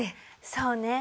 そうね。